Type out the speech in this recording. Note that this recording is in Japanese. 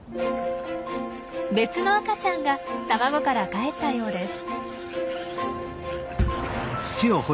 別の赤ちゃんが卵からかえったようです。